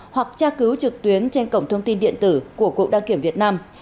hoặc tra cứu trực tuyến trên cổng thông tin điện tử của cục đăng kiểm việt nam